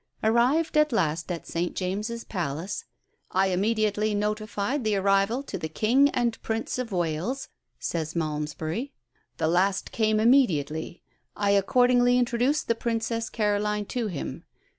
Arrived at last at St James's Palace, "I immediately notified the arrival to the King and Prince of Wales," says Malmesbury; "the last came immediately. I accordingly introduced the Princess Caroline to him.